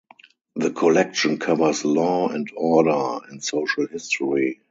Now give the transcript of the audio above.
The collection covers law and order, and social history.